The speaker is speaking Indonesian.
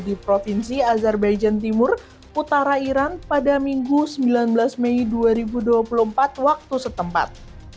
di provinsi azerbaijen timur utara iran pada minggu sembilan belas mei dua ribu dua puluh empat waktu setempat